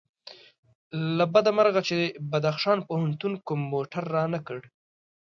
له بده مرغه چې بدخشان پوهنتون کوم موټر رانه کړ.